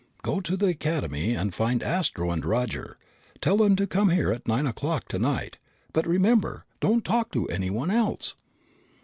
"Go to the Academy and find Astro and Roger. Tell them to come here at nine o'clock tonight. But remember, don't talk to anyone else!"